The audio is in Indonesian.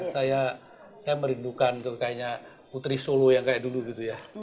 saya merindukan putri sulu yang kayak dulu gitu ya